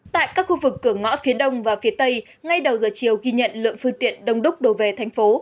tại các khu vực cửa ngõ phía đông và phía tây ngay đầu giờ chiều ghi nhận lượng phương tiện đông đúc đổ về thành phố